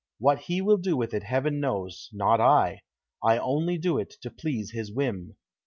"What he will do with it Heaven knows, not I; I only do it to please his whim."